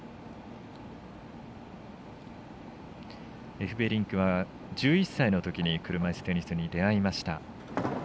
エフベリンクは１１歳のときに車いすテニスに出会いました。